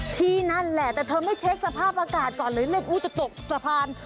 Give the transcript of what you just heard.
ที่นั่นแหละแต่เธอไม่เช็คสภาพอากาศก่อนหรือเล่นอู้จะตกสะพาน